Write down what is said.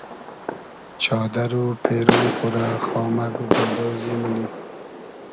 چادئر و پېرۉن خو رۂ خامئگ و گولدۉزی مونی